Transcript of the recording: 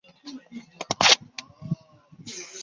大学校园则在主楼对面有沥青路面和漂白机。